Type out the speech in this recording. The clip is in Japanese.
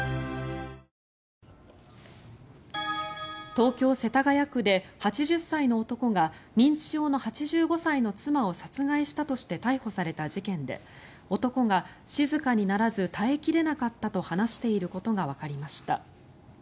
東京・世田谷区で８０歳の男が認知症の８５歳の妻を殺害したとして逮捕された事件で男が、静かにならず耐え切れなかったと話していることがわかりました。